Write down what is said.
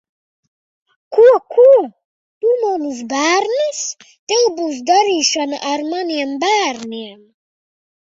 Ko, ko? Tu manus bērnus? Tev būs darīšana ar maniem bērniem!